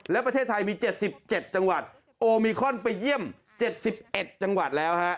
และประเทศไทยมี๗๗จังหวัดโอมิคอนไปเยี่ยม๗๑จังหวัดแล้วฮะ